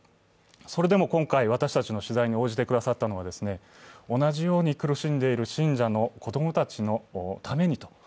それでも今回、私たちの取材に応じてくださったのは同じように苦しんでいる信者の子供たちのためにと。